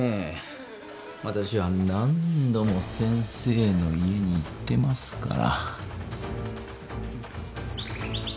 私は何度も先生の家に行ってますから。